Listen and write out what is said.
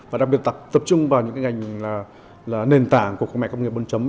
và đặc biệt tập trung vào những ngành nền tảng của công nghệ công nghiệp bốn chấm